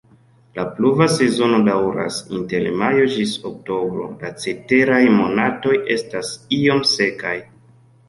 La pluva sezono daŭras inter majo ĝis oktobro, la ceteraj monatoj estas iom sekaj.